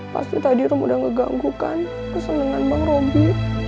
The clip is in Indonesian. pasti tadi rum udah ngeganggu kan kesenengan bang robi